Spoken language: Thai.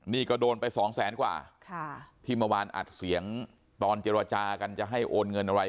นี่ก็โดนไปสองแสนกว่าที่เมื่อวานอัดเสียงตอนเจรจากันจะให้โอนเงินอะไร